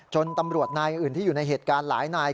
ตำรวจนายอื่นที่อยู่ในเหตุการณ์หลายนาย